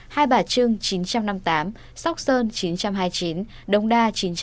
hai bà trưng chín trăm năm mươi tám sóc sơn chín trăm hai mươi chín đông đa chín trăm một mươi bốn